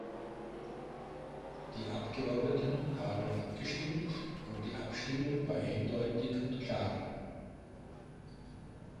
Die Abgeordneten haben abgestimmt, und die Abstimmung war eindeutig und klar.